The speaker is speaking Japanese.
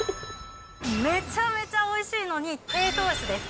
めちゃめちゃおいしいのに低糖質です。